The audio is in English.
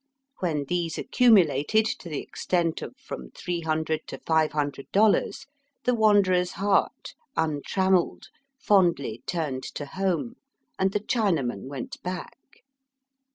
When these accumulated to the extent of from three hundred to five hundred dollars, the wanderer's heart, untrammelled, fondly turned to home, and the Chinaman went back.